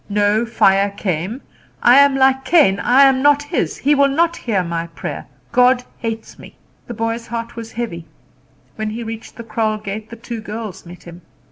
No fire came. I am like Cain I am not His. He will not hear my prayer. God hates me." The boy's heart was heavy. When he reached the kraal gate the two girls met him.